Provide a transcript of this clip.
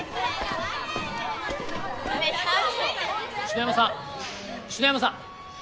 篠山さん篠山さん。